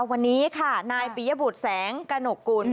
วันนี้ค่ะนายปียบุตรแสงกระหนกกุล